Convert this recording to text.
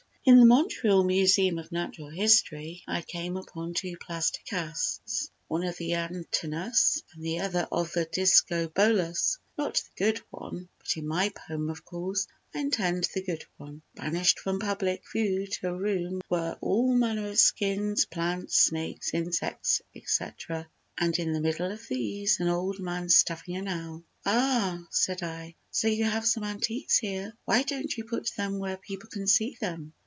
In the Montreal Museum of Natural History I came upon two plaster casts, one of the Antinous and the other of the Discobolus—not the good one, but in my poem, of course, I intend the good one—banished from public view to a room where were all manner of skins, plants, snakes, insects, etc., and, in the middle of these, an old man stuffing an owl. "Ah," said I, "so you have some antiques here; why don't you put them where people can see them?"